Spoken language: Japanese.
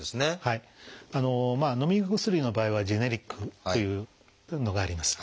のみ薬の場合は「ジェネリック」っていうのがあります。